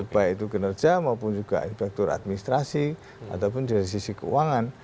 baik itu kinerja maupun juga inspektur administrasi ataupun dari sisi keuangan